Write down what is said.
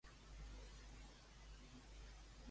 Com és la sang de la classe baixa?